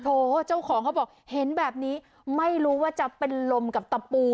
เจ้าของเขาบอกเห็นแบบนี้ไม่รู้ว่าจะเป็นลมกับตะปู